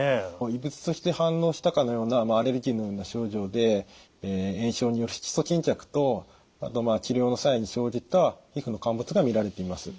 異物として反応したかのようなアレルギーのような症状で炎症による色素沈着とあと治療の際に生じた皮膚の陥没が見られています。